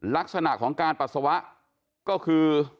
ลักษณะของการปัสสาวะก็คือ